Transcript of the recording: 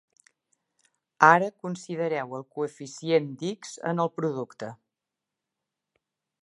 Ara considereu el coeficient d'"x" en el producte.